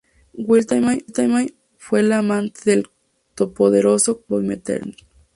Wilhelmine, fue la amante del todopoderoso Klemens von Metternich.